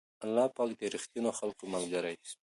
الله پاک د رښتينو خلکو ملګری دی.